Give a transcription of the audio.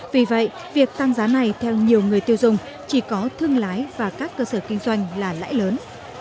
vì vậy việc tăng giá này theo nhiều người tiêu dùng chỉ có thương lái và các cơ sở kinh doanh là lãi lớn